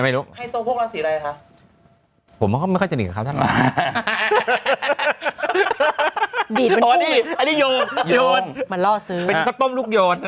เอ๊ะทำไมไม่รู้